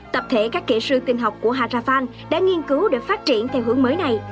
tập thể các kỹ sư tình học của haraffan đã nghiên cứu để phát triển theo hướng mới này